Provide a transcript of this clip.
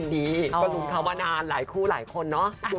ดีก็ถึงเขาว่านานหลายคู่หลายคนเนาะคุณผู้ชม